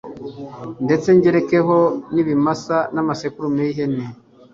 ndetse ngerekeho n’ibimasa n’amasekurume y’ihene